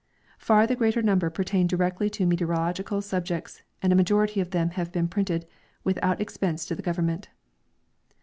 Far the greater number pertain directly to meteorological subjects, and a majority of them have been printed without expense to the gov ernment.